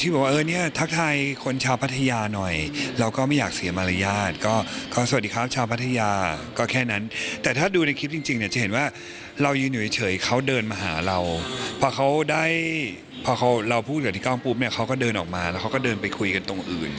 พี่พีชต้องพบเนี่ยเขาก็เดินออกมาแล้วเขาก็เดินไปคุยกันตรงอื่น